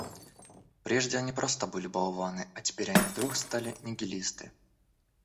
Прежде они просто были болваны, а теперь они вдруг стали нигилисты.